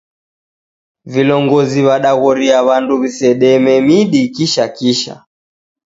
Vilongozi w'adaghoria w'andu w'isedeme midi kisha kisha